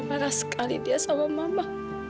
marah sekali dia sama mama